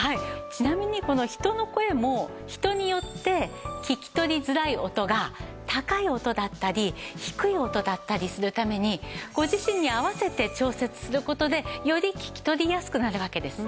ちなみにこの人の声も人によって聞き取りづらい音が高い音だったり低い音だったりするためにご自身に合わせて調節する事でより聞き取りやすくなるわけです。